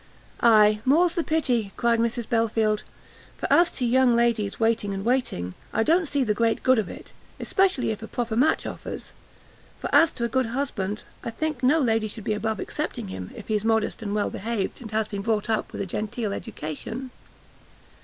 "Ay, more's the pity," cried Mrs Belfield, "for as to young ladies waiting and waiting, I don't see the great good of it; especially if a proper match offers; for as to a good husband, I think no lady should be above accepting him, if he's modest and well behaved, and has been brought up with a genteel education."